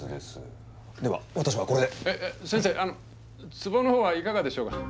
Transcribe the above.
壺のほうはいかがでしょうか？